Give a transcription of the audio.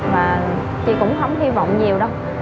và chị cũng không hy vọng nhiều đâu